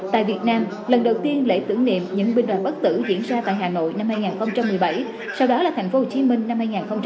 tại việt nam lần đầu tiên lễ tưởng niệm những binh đoàn bất tử diễn ra tại hà nội năm hai nghìn một mươi bảy sau đó là tp hcm năm hai nghìn một mươi tám